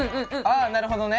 ああなるほどね。